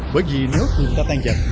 bởi vì nếu tìm ra tan vật